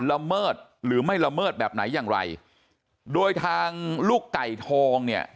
ละเมิดหรือไม่ละเมิดแบบไหนอย่างไรโดยทางลูกไก่ทองเนี่ย